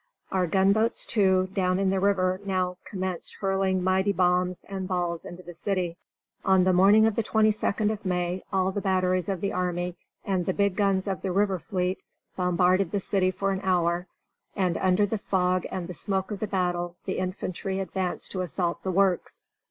Our gunboats too, down in the river now commenced hurling mighty bombs and balls into the city. On the morning of the 22d of May all the batteries of the army and the big guns of the river fleet bombarded the city for an hour, and under the fog and the smoke of the battle the infantry advanced to assault the works.